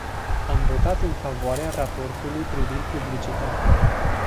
Am votat în favoarea raportului privind publicitatea.